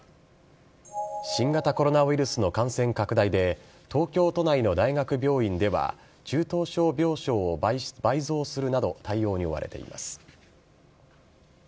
新型コロナウイルスの感染拡大で、東京都内の大学病院では、中等症病床を倍増するなど対応に追われています。